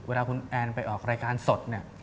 เวลาคุณแอนไปออกรายการสด